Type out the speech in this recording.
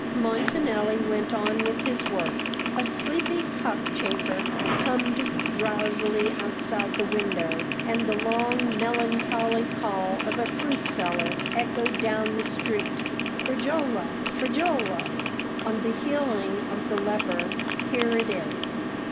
Montanelli went on with his work. A sleepy cockchafer hummed drowsily outside the window, and the long, melancholy call of a fruitseller echoed down the street: "Fragola! fragola!" "'On the Healing of the Leper'; here it is."